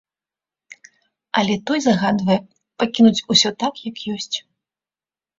Але той загадвае пакінуць усё так, як ёсць.